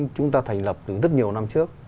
chúng ta thành lập từ rất nhiều năm trước